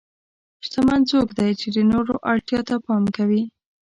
شتمن څوک دی چې د نورو اړتیا ته پام کوي.